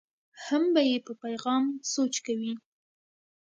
هم به یې په پیغام سوچ کوي.